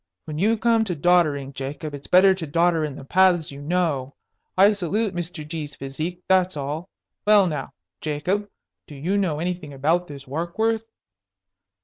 When you come to doddering, Jacob, it's better to dodder in the paths you know. I salute Mr. G.'s physique, that's all. Well, now, Jacob, do you know anything about this Warkworth?"